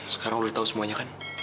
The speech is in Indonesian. sekarang udah tau semuanya kan